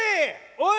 おい！